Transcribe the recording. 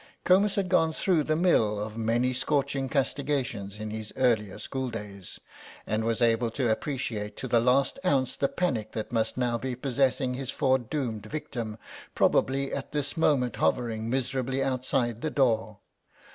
Comus had gone through the mill of many scorching castigations in his earlier school days, and was able to appreciate to the last ounce the panic that must be now possessing his foredoomed victim, probably at this moment hovering miserably outside the door.